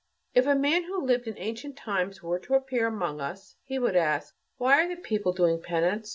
If a man who lived in ancient times were to appear among us, he would ask: "Why are the people doing penance?